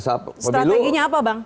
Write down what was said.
strateginya apa bang